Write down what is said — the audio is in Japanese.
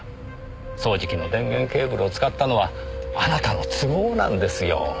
掃除機の電源ケーブルを使ったのはあなたの都合なんですよ。